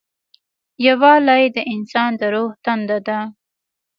یووالی د انسان د روح تنده ده.